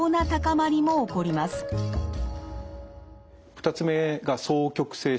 ２つ目が双極性障害。